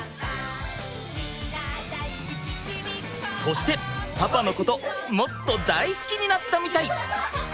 そしてパパのこともっと大好きになったみたい！